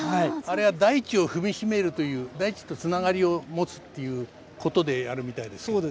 あれは大地を踏み締めるという大地とつながりを持つっていうことでやるみたいですけど。